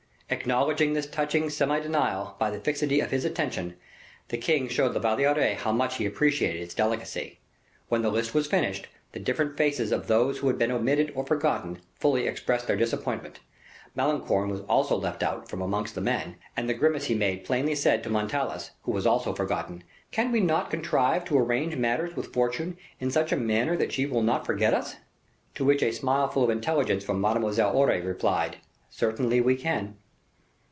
Acknowledging this touching self denial by the fixity of his attention, the king showed La Valliere how much he appreciated its delicacy. When the list was finished, the different faces of those who had been omitted or forgotten fully expressed their disappointment. Malicorne was also left out from amongst the men; and the grimace he made plainly said to Montalais, who was also forgotten, "Cannot we contrive to arrange matters with Fortune in such a manner that she shall not forget us?" to which a smile full of intelligence from Mademoiselle Aure, replied: "Certainly we can."